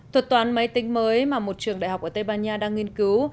thuật toán máy tính mới mà một trường đại học ở tây ban nha đang nghiên cứu